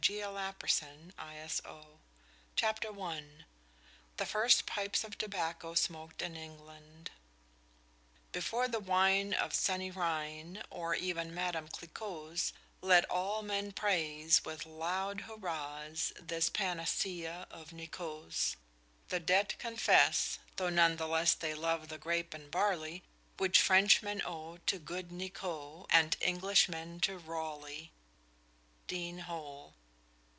TOBACCONISTS' SIGNS 235 INDEX 251 I THE FIRST PIPES OF TOBACCO SMOKED IN ENGLAND Before the wine of sunny Rhine, or even Madam Clicquot's, Let all men praise, with loud hurras, this panacea of Nicot's. The debt confess, though none the less they love the grape and barley, Which Frenchmen owe to good Nicot, and Englishmen to Raleigh. DEAN HOLE.